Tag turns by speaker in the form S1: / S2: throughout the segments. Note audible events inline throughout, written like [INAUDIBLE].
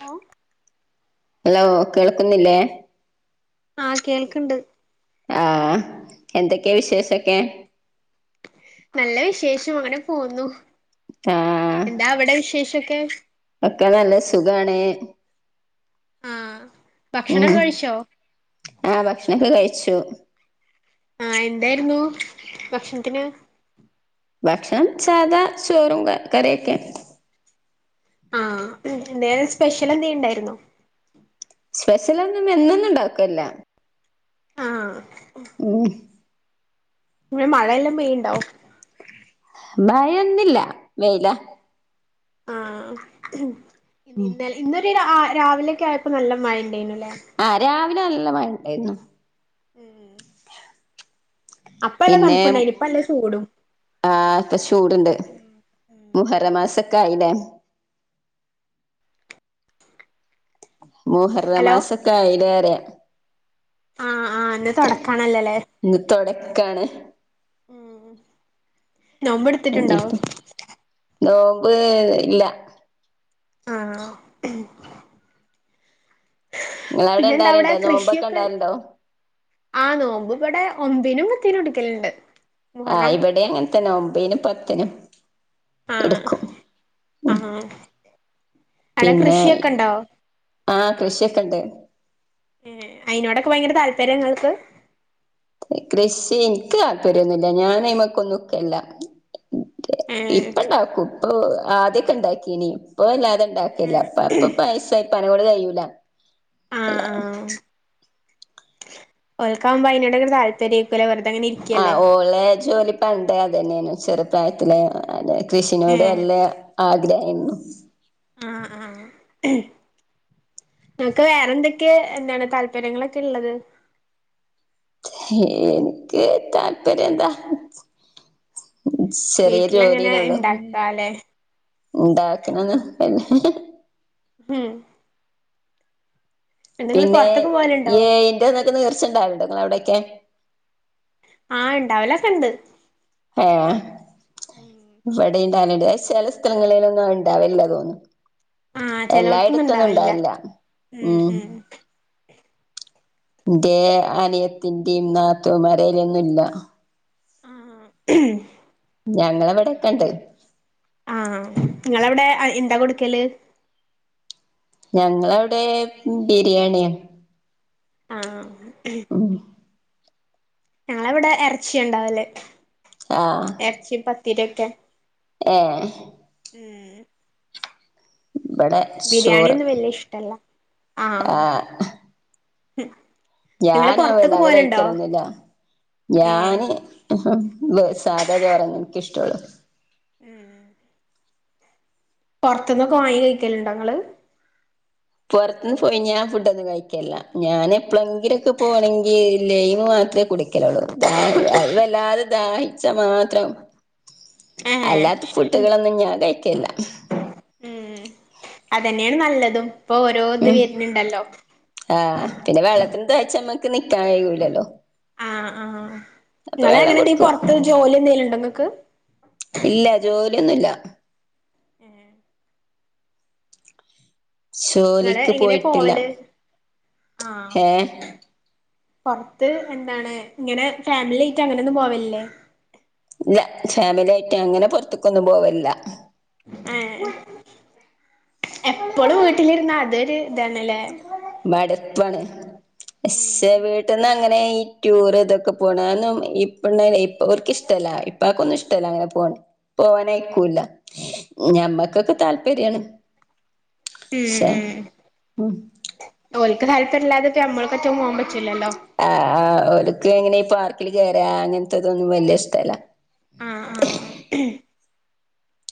S1: hello
S2: hello കേൾക്കുന്നില്ലേ
S1: ആ കേൾക്കണ്ട്
S2: ആ എന്തൊക്കെയാ വിശേഷൊക്കെ
S1: നല്ല വിശേഷം അങ്ങനെ പോവുന്നു
S2: ആ
S1: എന്താ അവിടെ വിശേഷൊക്കെ
S2: ഒക്കെ നല്ല സുഖാണ്‌
S1: ആ
S2: ഉം ആഹ ഭക്ഷണൊക്കെ കഴിച്ചു
S1: ആഹ എന്തായിരുന്നു ഭക്ഷണത്തിന്
S2: ഭക്ഷണം സാധാ ചോറും കറിയൊക്കെ
S1: ആഹ വേറെ സ്പെഷ്യൽ എന്തേം ഇണ്ടായിരുന്നോ
S2: സ്പെഷ്യലൊന്നും എന്നൊന്നും ഉണ്ടാക്കല്യാ
S1: ആഹ്
S2: ഉം [UNINTELLIGIBLE]
S1: [UNINTELLIGIBLE] മഴയെല്ലാം പെയ്യിണ്ടോ
S2: മഴയൊന്നൂല്യ വെയില
S1: ആഹ ഇന്ന ഇന്നൊരു രാവിലെൊക്കെ ആയപ്പോ നല്ല മഴ ഉണ്ടനല്ലേ
S2: ആഹ് രാവിലെ നല്ല മ ഉണ്ടായിരുന്നു
S1: ഉം അപ്പല്ലാം
S2: പിന്നെ
S1: തണുണ്ടയി ഇപ്പല്ല ചൂടും
S2: ആഹ് ഇപ്പൊ ചൂടുണ്ട് മുഹരമാസൊക്കെ ആയില്ലേ മോഹറ
S1: ഹലോ
S2: മാസക്കായിലേറെ
S1: ആഹ് ആഹ് എന്നന്ന് തുൊടക്കാണല്ലല്ലേ
S2: എക്കാണ്
S1: ഉംോമ്പ് എടുത്തിട്ടുണ്ടാവോ
S2: ഏ ഇല്ല
S1: ആഹ
S2: നിങ്ങളവിടെ
S1: പിന്നെ എന്താ അവിടെ
S2: ഇണ്ടാവലുണ്ടോ നോമ്പൊക്കെ
S1: കൃഷിയൊക്കെണ്ട്
S2: ഇണ്ടാവലുണ്ടോ
S1: ആഹ് നോമ്പ് ഇവിടെ ഒമ്പിനും കത്തിനും എടുക്കലുണ്ട്
S2: ആഹ്
S1: മുഹറം
S2: ഇവിടെ അങ്ങന തന്നെ ഒമ്പേനും പത്തിനും
S1: ആഹ
S2: എടുക്കും ഉം
S1: ആഹ അട
S2: പിന്നെ
S1: കൃഷിയൊക്കെണ്ടാവ
S2: ആഹ് കൃഷിയൊക്കെ ഇണ്ട്
S1: ഏ അയിതിനോടൊക്കെ ഭയങ്കര താല്പര്യങ്ങൾക്ക്
S2: കൃഷി എനിക്ക് താല്പര്യൊന്നുല്ല ഞാാന്മക്കൊന്നുക്കല്ല
S1: ഏഹ്
S2: ഇപ്പ ഇണ്ടാക്കും ഇപ്പൊ ആദ്യൊക്കെ ഇണ്ടാക്കിനി ഇപ്പ എല്ലാ അണ്ടാക്കില്ല അ അപ്പൊ പൈസ ഇപ്പന കൂടെ കഴൂലല്ല
S1: ഓൽക്കാമ്പോ അയ്നൊടെ താല്പര്യം വ
S2: ആ് ഓളെ ജോലി പണ്ടെ അതന്നെയാണ് ചെറുപ്രായത്തില് അ കൃഷിനോട്
S1: ഏഹ്
S2: വല്ല ആഗ്രഹരുന്നു
S1: ആഹ ആഹ നക്ക് വേറെന്തൊക്കെയ എന്താണ് താല്പര്യങ്ങളൊക്കെള്ളത്
S2: എനിക്ക് താല്പര്യം എന്താ ചെറിയ
S1: വീട്ടിലങ്ങനെ
S2: ജോലിയന്നള്ളു
S1: ഇണ്ടാക്കാല്ലേ
S2: ഉണ്ടാക്കണംന്ന് അല്ല
S1: ഹം
S2: പിന്നെ
S1: പോവലുണ്ടോ
S2: ഈ ഇറന്നക്ക തീർച്ചണ്ടാവടങ്ങ എവിടെൊക്കെ
S1: ആ ഇണ്ടാവലക്കണ്ട്
S2: ഏ ഇവിടെ നണ്ട് ചെല സ്ഥലങ്ങളിലൊന്നും ഉണ്ടാവില്ല തോന്നും
S1: ആ ചെലോടത്തൊന്നും ഇണ്ടാവില്ല ഉം ഉ
S2: ന്റെ ആന്യത്തിന്റെയും നാത്തൂമാരെയ്ലെങ്ങുല്ല
S1: ആ
S2: ഞങ്ങളവിടെക്കെണ്ട്
S1: ആ നിങ്ങളവിടെ എന്താ കൊടുക്കല്
S2: ഞങ്ങളവിടെ ബിരിയാണിയാ
S1: ആ
S2: ആഹ
S1: ഞങ്ങളിവിടെ എറച്ചിയ ഉണ്ടാവലേ ഇറച്ചിയും പത്തിരി ഒക്കെ
S2: ഏ
S1: ഏ
S2: ഇവിടെ ചോറ്
S1: ബിരിയാണിയൊന്നും വല്യഷ്ടല്ല ആഹ
S2: ആഹ് ഞാനും അവല്ല അത് കഴിക്കലൊന്നുമില്ല
S1: ഏഹ്
S2: ഞാന് സാദാ ചോറന്ന എനിക്കിഷ്ടള്ളു
S1: ഉം പൊറത്തുന്നൊക്കെ വാങ്ങി കയിക്കലണ്ടങ്ങള്
S2: പൊറത്തുനിന്ന് പോയി ഞാൻ ഫുഡ് ഒന്നും കഴിക്കല്ല ഞാൻ എപ്പഴെങ്കിലും ഒക്കെ പോകണെങ്കിൽ ലൈം വാങ്ങി മാത്രേ കുടിക്കലുള്ളൂ അതും വല്ലാതെ ദാഹിച്ച മാത്രം
S1: ഏഹ്
S2: അല്ലാത്ത ഫുഡുകളൊന്നും ഞാൻ കഴിക്കെല്ല
S1: ഉം അതന്നെയാണ് നല്ലതും ഓരോ ഇത്
S2: മ്മ്
S1: വരുന്നുണ്ടല്ലോ
S2: ആഹ് പിന്നെ വെള്ളത്തിന് തേച്ചമ്മ നിക്കാൻ കഴിയുകേലല്ലോ
S1: നിങ്ങള് അങ്ങനെ എന്ത് പൊറത്ത് ജോലി എന്തെലും ഉണ്ടോ ങ്ങക്ക്
S2: ഇല്ല ജോലിയൊന്നുല്ല
S1: ങ്ങള്
S2: ജോലിക്ക്
S1: എങ്ങനെ
S2: പോയിട്ടില്ല
S1: പോവല് ആഹ്
S2: ഏഹ്
S1: പൊറത്ത് എന്താണ് ഇങ്ങനെ ഫാമിലി ആയിട്ട് അങ്ങനെ ഒന്നും പോവല്ലേ
S2: ഇല്ല ഫാമിലിയായിട്ട് അങ്ങനെ പൊറത്തെക്കൊന്നും പോവല്ല
S1: ഏഹ് എപ്പോഴും വീട്ടിലിരുന്ന അതൊരു ഇതാണല്ലേ
S2: മടുപ്പാണ് പക്ഷേ വീട്ടിൽന്ന് അങ്ങനെ നെ ഈ ടൂർ ഇതൊക്കെ പോണെ ഇപ്പ ഇ അവർക്ക് ഇഷ്ടല്ല ഇപ്പാക്കൊന്നും ഇഷ്ടല്ല അങ്ങനെ പോണെ പോവാനായിക്കൂല്ല ഞമ്മക്കൊക്കെ താല്പര്യണ്
S1: ഉം
S2: ശരി മ്മ്
S1: ഓല്ക്ക് താല്പര്യം ഇല്ലാതെ ഇ നമ്മറ്റകുമ്പ
S2: ആഹ് ഹ് ഒല്ക്ക് എങ്ങനെ ഈ പാർക്കിൽ കേയറ അങ്ങനെ ഇതൊന്നും വല്യ ഇഷ്ടമല്ല
S1: ആഹ് ആഹ്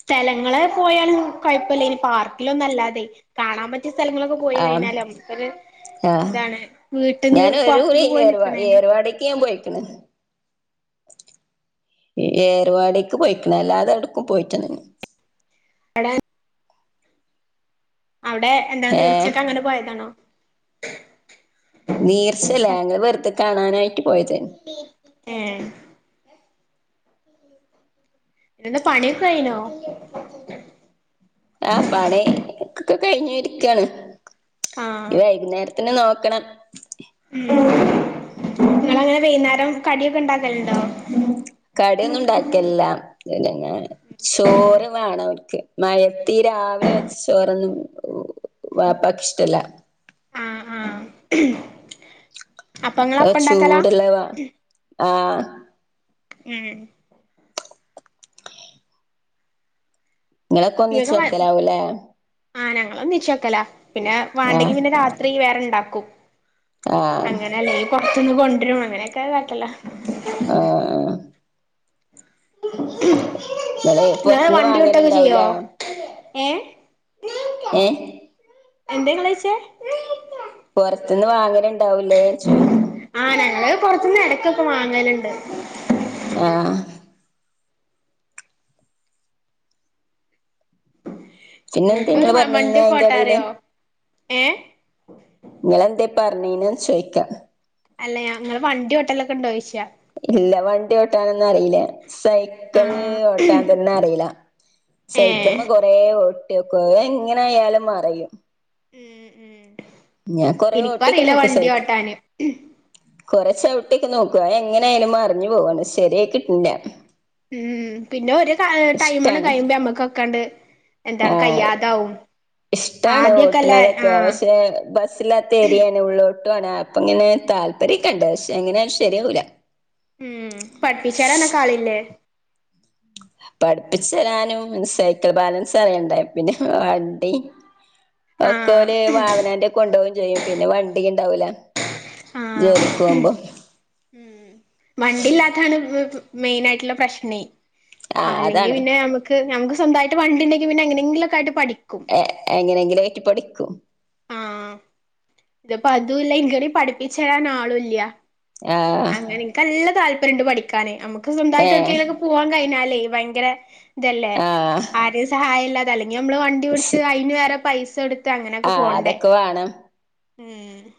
S1: സ്ഥലങ്ങള് പോയാല് കുഴപ്പില്ല ഇനി പാർക്കിലൊന്നും അല്ലാതെ കാണാൻ പറ്റു മറ്റ് സ്ഥലങ്ങളൊക്കെ പോയി
S2: ആഹ്
S1: കഴിഞ്ഞാലും നമക്ക് ഇങ്ങനെ
S2: ആഹ് ഞാന് ഒരു കുടി
S1: പൊറത്ത്ക്ക് പോയി
S2: ഏർവാ
S1: നിക്കണേന്റെ
S2: ഏർവാടിക്ക് ഞാൻ പോയി [UNINTELLIGIBLE] ഏ ഏർവാടിക്ക് പോയിക്കണ് അല്ലാതെ ഏടുക്കും പോയിട്ടൊന്നുല്ല
S1: ഏടെ അവിടെ എന്താ
S2: ഏഹ്
S1: നേർച്ചക്ക് അങ്ങനെ പോയതാണോ
S2: നീർച്ചല്ലേ ഞങ്ങൾ വെറുതെ കാണാനായിട്ട് പോയത്
S1: ഏഹ് ഇന്താ പണിയൊക്കെ കയിനോ
S2: ആഹ് പണിയൊക്കെ കഴിഞ്ഞു ഇരിക്കയാണ്
S1: ആഹ്
S2: വൈകുന്നേര ത്തിന് നോക്കണം
S1: നിങ്ങള് അങ്ങനെ വൈകുന്നേരം കടിയൊക്കെ ഇണ്ടാക്കലുണ്ടോ
S2: കടിയൊന്നും ഇണ്ടാക്കലില്ല എല്ലാം ഇ ചോറ് വേണം അവർക്ക് മയത്തീ രാവിലെ വെച്ച ചോറൊന്നും വാപ്പക്ക് ഇഷ്ടല്ല
S1: ആഹ് ആഹ് അപ്പൊ നിങ്ങള് അപ്പ ഇണ്ടാക്കലാ
S2: ചൂടുള്ള വാ ആഹ്
S1: മ്മ്
S2: നിങ്ങളൊക്കെ ഒന്നിച്ച്
S1: ഇങ്ങക്ക് വ
S2: വെക്കലാവൂലേ
S1: ആഹ് ഞങ്ങള് ഒന്നിച്ച് വെക്കല പിന്നെ വേണ്ടെങ്കി
S2: ആഹ്
S1: പിന്നെ രാത്രി വേറെ ഇണ്ടാക്കും
S2: ആഹ്
S1: അങ്ങനെയല്ലേ ഈ പൊറത്തൊന്ന് കൊണ്ടുവരും അങ്ങനെയൊക്കെ കാട്ടലാ
S2: ആഹ് ആഹ് ഇങ്ങള് പൊറത്ത്ന്ന്
S1: വണ്ടി ഇട്ടൊക്കെ ചെയ്യോ
S2: വാങ്ങലുണ്ടാവൂലേ
S1: ഏഹ്
S2: ഏഹ്
S1: എന്താ ഇങ്ങള് ചോദിച്ചേ
S2: പുറത്തുന്ന് വാങ്ങന ഇണ്ടാവൂലേന്ന് ചോയ്ക്കാ
S1: പൊറത്തന്ന് ഇടക്കൊക്കെ വാങ്ങലുണ്ട്
S2: ആഹ് ഹ് പിന്നെ എന്താ
S1: ഇങ്ങക്ക്
S2: നിങ്ങള്
S1: വ
S2: പറഞ്ഞന്നേ
S1: വണ്ടിയൊക്കെ
S2: അയിന്റെ ഇടയില്
S1: ഓട്ടാറിയോ ഏഹ്
S2: നിങ്ങളെന്താ പറഞ്ഞീനെ ചോദിക്കാ
S1: അല്ല നിങ്ങള് വണ്ടിയോട്ടലൊക്കെ ഉണ്ടോ ചോയിച്ചെ
S2: ഇല്ല വണ്ടി ഓട്ടാനൊന്നും അറീല്ല സൈക്കിള്
S1: ആഹ്
S2: ഓട്ടാൻ തന്നെ അറീല്ല
S1: ഏഹ്
S2: സൈക്കിള്മ്മ കൊറെ ഓട്ടീക്കും അതങ്ങനെ ആായാലും മറിയും
S1: ഉം ഉം
S2: ഞാൻ കൊറേ ഓട്ടിയൊക്കെ
S1: എനിക്കറിയില്ല വണ്ടി ഓട്ടാന്
S2: കുറെ ചവിട്ടൊക്കെ നോക്കും അതാങ്ങനെയാലും മറിഞ്ഞു പോകാണ് ശെരിയയികിട്ടിണ്ല്ല
S1: ഉം പിന്നെ ഒര് ആ ടൈമ് ണ്
S2: ഇഷ്ടാണ്
S1: കഴിയുമ്പ നമ്മക്കൊക്കാണ്ട് എന്താണ്
S2: ആഹ്
S1: കയ്യാതാവും
S2: ഇഷ്ടാണ്
S1: ആദ്യൊക്കെല്ലേ
S2: ഓട്ടണതൊക്കെ
S1: ആഹ്
S2: പക്ഷെ ബസ്സില്ലാത്ത ഏരിയാനെ ഉള്ള് ട്ട് അപ്പ അങ്ങനെ താല്പര്യം ക്ണ്ട് പക്ഷെ എങ്ങനെ ശരിയാവൂല
S1: ഉം പഠപ്പിച്ചരാനോക്കെ ആളില്ലേ
S2: പഠിപ്പിച്ചു തരാനും സൈക്കിൾ ബാലൻസ് അറിയണ്ടേ ഉം പിന്നെ വണ്ടി
S1: ആഹ്
S2: ഒക്കെല് അവനാന്റെ ഒക്ക കൊണ്ടുപോകയും ചെയ്യും പിന്നെ വണ്ടി ഉണ്ടാവൂല
S1: ആഹ
S2: ജോലിക്ക് പോകുമ്പോ
S1: ഉം വണ്ടില്ലാത്താണ് ഉം മെയിനായിട്ടുള്ള പ്രശ്നേ
S2: ആ
S1: അല്ലെങ്കിൽ
S2: അതാണ്
S1: പിന്നെ നമുക്ക് നമുക്ക് സ്വന്തമായിട്ട് വണ്ടിണ്ടങ്കിൽ പിന്നെ എങ്ങനങ്കിലൊക്ക ആയിട്ട് പഠി
S2: എങ്ങനെങ്കിലായിട്ട് പഠിക്കും
S1: ആഹ ഇതപ്പോ അതൂല്ല ഇങ്ങ പഠിപ്പിച്ച തരാൻ ആളൂല്ല
S2: ആ
S1: അങ്ങനെ ൻക്ക് നല്ല താല്പര്യം ഉണ്ട് പഠിക്കാൻ നമുക്ക്
S2: ഏ
S1: സ്വന്തമായിട്ട് എടക്കെലോക്കെ പോവാൻ കഴിഞ്ഞാലേ ഭയങ്കര ഇതല്ലേ
S2: ആ
S1: ആരും സഹായം ഇല്ലാതെ അല്ലെങ്കിൽ നമ്മള് വണ്ടി ഓടിച്ചു അയ്ന് വേറെ പൈസ എടുത്ത
S2: ആഹ അതൊക്കെ വേണം
S1: ഏഹ്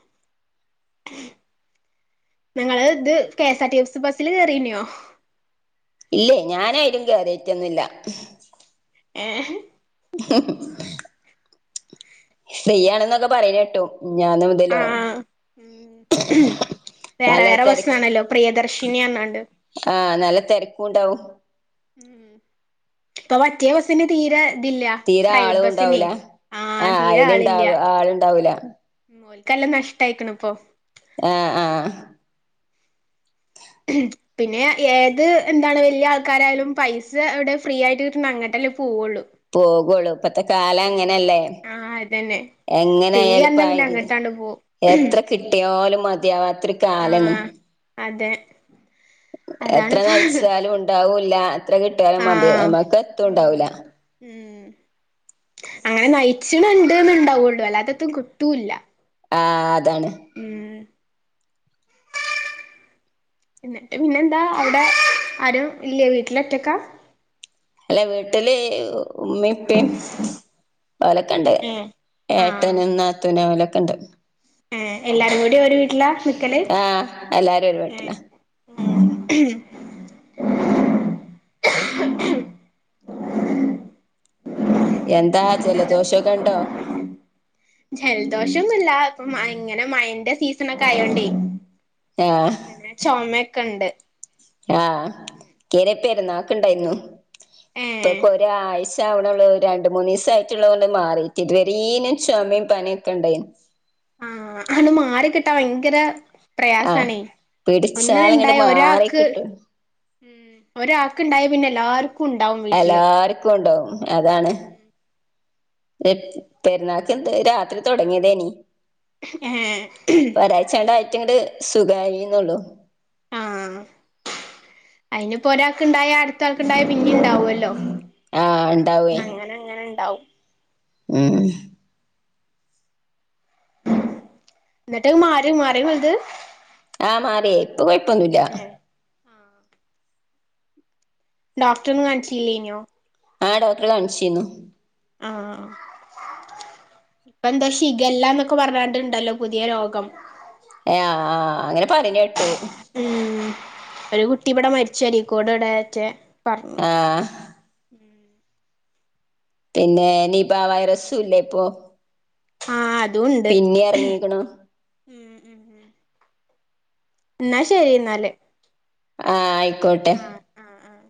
S1: നിങ്ങള് ഇത് കെഎസ് ആർ ടി സി ബസ്സില് കേറീന്നോ
S2: ഇല്ലേ ഞാനായിനും കേറിയറ്റൊന്നുല്ല
S1: ഏഹ്
S2: ഹ്മ്മ് ഫ്രീയാണെന്നൊക്കെ പറയുന്ന കേട്ടു മിഞാന്നു മുതലോ
S1: ആഹ് ഉം വേറെ
S2: നല്ല
S1: വേറെ
S2: തിരക്ക്
S1: ബസ്സാണല്ലോ പ്രിയദർശിനി പറഞ്ഞാണ്ട്
S2: ആഹ നല്ല തിരക്കുണ്ടാവും
S1: ഒ അപ്പൊ മറ്റേ ബസിന് തീരെ ഇതില്ല
S2: തീരെ
S1: പ്രൈവറ്റ്
S2: ആളും
S1: ബസിനെ
S2: ഉണ്ടാവൂല
S1: ആ തീരെ ആളില്ല
S2: അയിലുണ്ടാവ ആളുണ്ടാവൂല
S1: ല്ലാം നഷ്ടയിക്ക്ണ ഇപ്പൊ
S2: ആഹ ആഹ്
S1: മ്മഗ്ര പിന്നെ ഏത് എന്താണ് വലിയ ആൾക്കാരായാലും പൈസ എവിടെ ഫ്രീ ആയിട്ട് കിട്ടുന്ന അങ്ങട്ടെ പോവുള്ളു
S2: പോകൊള്ളൂ ഇപ്പത്തെ കാലം അങ്ങനല്ലേ
S1: ആഹ് അതന്നെ
S2: എങ്ങനെ
S1: ഫ്രീ
S2: ആയാലുംപ്പ
S1: പറഞ്ഞ പിന്നെ അങ്ങട്ടാണ്ട് പോവും
S2: എത്ര കിട്ടിയാലും മതി മതിയാകാത്തര് കാലാണ്
S1: ആഹ് അതെ
S2: എത്ര
S1: അതാണ്പ്പ
S2: നയിച്ചാലും ഉണ്ടാവൂല്ല ത്ര
S1: ആഹ്
S2: കിട്ടിയാലുംമ്മക്ക്
S1: ഉം
S2: എത്തുണ്ടാവില്ല
S1: ഉം അങ്ങനെ നയിച്ചണണ്ട് ഉണ്ടാവുള്ളൂ അല്ലാത്തത്തും കിട്ടൂല്ല
S2: ആ
S1: ഉം ഭാ എന്നിട്ട് പിന്നെന്താ താത്ത അവിടെ ആരും ഇല്ലേ വീട്ടില ഒറ്റക്കാ
S2: അല്ല വീട്ടില് ഉമ്മപ്പം ഓലക്കണ്ട്
S1: ഏഹ് ആഹ്
S2: ഏട്ടനും നാത്തൂനും ഓല ക്കണ്ട്
S1: ഏഹ് എല്ലാരും കൂടി ഒരു വീട്ടില
S2: ആഹ എല്ലാരും ഒരു വീട്ടില
S1: ഉം കും ഹ്രം ഹ്രം
S2: എന്താ ജെല ദോഷക്കോണ്ടോ
S1: ജലദോഷൊന്നുല്ല ഇങ്ങനെ മഴന്റെ സീസൺ ഒക്കെ
S2: ആഹ്
S1: ആയോണ്ടേനെ ച കണ്ട്
S2: ആഹ് ഇനപ്പായിരുന്ന ആക്ക ഇണ്ടായിരുന്നു
S1: ഏഹ്
S2: ഇപ്പൊക്ക ഒരാഴച ണള്ള രണ്ട മൂന്ന് ദിവസ ആയിട്ടുള്ളതത് കൊണ്ട് മാറിട്ട് ഇതുവര ഇനും ചുമയും പനിയൊക്കെ ഉണ്ടായി
S1: ആഹ അനു മാറിിക്കിട്ടാ ഭയങ്കര
S2: ആഹ്
S1: പ്രയാസണേ ഒന്നിന
S2: പിടിച്ചാലങ്ങട്ട്
S1: ഉണ്ടായ
S2: മാറി
S1: ഒരാൾക്ക്
S2: കിട്ടും
S1: ഉം ഒരാൾക്ക്ുണ്ടായി പിന്നെല്ല ആർക്കും
S2: എല്ലാർക്കും ഉണ്ടാവും അതാണ് പെരുന്നാൾക്ക് എന്ത് രാത്രി തുടങ്ങിയതേനി
S1: ഏഹ്
S2: പരാച്ചേണ്ട യിറ്റ ഇങ്ങടെ സുഖമായിന്നള്ളു
S1: ആഹ അയിനിപ്പോൊ ഒരാൾക്ക്ുണ്ടായ അടുത്ത ആൾക്ക്ുണ്ടായ പിന്നി ഉണ്ടാവല്ലോ
S2: ആഹ് ഉണ്ടാവേ
S1: അങ്ങനെ അങ്ങനെ ഉണ്ടാവും
S2: ഉം
S1: എന്നിട്ട് മാര മാറ വലുത്
S2: ആഹ മാറ ഇപ്പൊ കൊഴപ്പൊന്നുമില്ല
S1: ഡോക്ടറിന കാണിച്ചല്ലേനോ
S2: ആ ഡോക്ടറ കാണിച്ചീന്നു
S1: ആഹ ഇപ്പ എന്താ ശിഖല്ല എന്നൊക്കെ പറഞ്ഞണ്ട് ഇണ്ടല്ലോ പുതിയ രോഗം
S2: ഏ ആ അങ്ങനെ പറഞ് കേട്ടു
S1: ഉം ഒരു കുട്ടി ഇവിടെ മരിച്ചക്കോട് ഇടറ്റേ പറഞ്ഞു
S2: ആഹ് പിന്നെ നിബ വൈറസും ഇല്ല ഇപ്പൊ
S1: ആഹ അതെ
S2: പിന്നെ ഇറങ്ങീക്കണോ
S1: ഉം ഉം ഉം എന്നാ ശരി എന്നാലേ
S2: ആഹ ആയിക്കോട്ടെ
S1: ആഹ്